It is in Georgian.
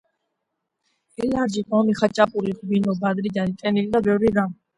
ელარჯი , ღომი, ხაჭაპური ღვინო ბადრიჯანი ტენილი და ბევრი რამ